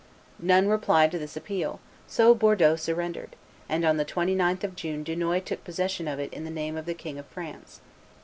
None replied to this appeal; so Bordeaux surrendered, and on the 29th of June Dunois took possession of it in the name of the King of France.